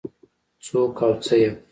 څوک او څه يم؟